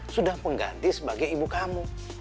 sudah mengganti sebagai ibu kamu